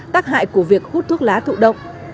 tắc hại của việc hút thuốc lá thụ động